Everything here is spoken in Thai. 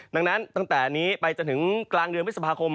ดังนั้นตั้งแต่นี้ไปจนถึงกลางเดือนพฤษภาคม